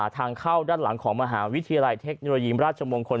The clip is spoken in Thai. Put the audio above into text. ทางเข้าด้านหลังของมหาวิทยาลัยเทคโนโลยีมราชมงคล